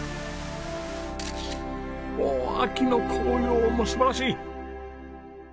おお秋の紅葉も素晴らしい！